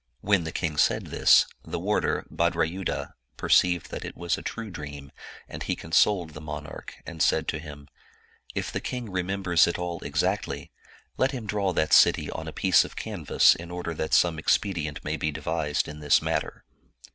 When the king said this, the warder Bhadrayudha per ceived that it was a true dream, and he consoled the mon arch, and said to him, " If the king remembers it all exactly, let him draw that city on a piece of canvas in order that some expedient may be devised in this matter."